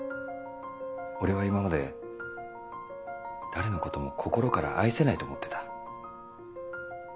俺は今まで誰のことも心から愛せないと思ってた。